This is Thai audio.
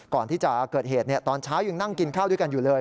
ก่อนที่จะเกิดเหตุตอนเช้ายังนั่งกินข้าวด้วยกันอยู่เลย